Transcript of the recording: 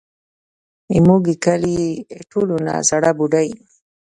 زموږ د کلي تر ټولو زړه بوډۍ.